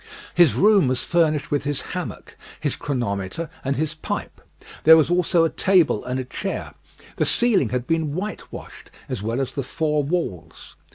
His room was furnished with his hammock, his chronometer, and his pipe: there were also a table and a chair. The ceiling had been whitewashed, as well as the four walls.